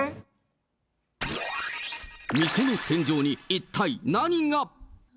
店の天井に一体何が。